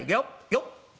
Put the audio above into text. よっ。